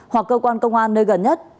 hoặc cơ quan công an nơi gần